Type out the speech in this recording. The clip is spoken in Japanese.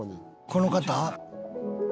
この方？